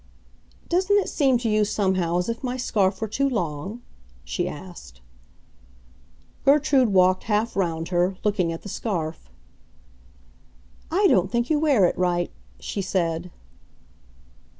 "Doesn't it seem to you, somehow, as if my scarf were too long?" she asked. Gertrude walked half round her, looking at the scarf. "I don't think you wear it right," she said.